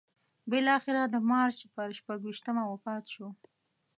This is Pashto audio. بالاخره د مارچ پر شپږویشتمه وفات شو.